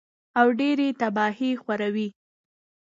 او ډېرې تباهۍ خوروي